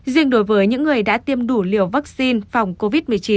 riêng đối với những người đã tiêm đủ liều vaccine phòng covid một mươi chín